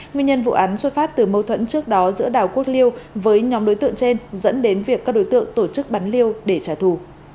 nguyên nhân vụ án xuất phát từ mâu thuẫn trước đó giữa đào quốc liêu với nhóm đối tượng trên dẫn đến việc các đối tượng tổ chức bắn liêu để trả thù